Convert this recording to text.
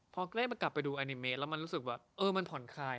พอได้กลับไปดูอนิเมตรแล้วมันรู้สึกว่ามันผ่อนคลาย